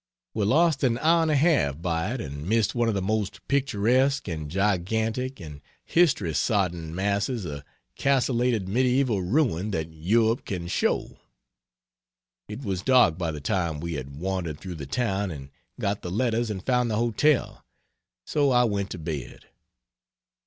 We lost an hour and a half by it and missed one of the most picturesque and gigantic and history sodden masses of castellated medieval ruin that Europe can show. It was dark by the time we had wandered through the town and got the letters and found the hotel so I went to bed.